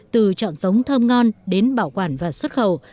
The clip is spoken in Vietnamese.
từ chọn giống thơm ngon đến bảo quản và xuất khẩu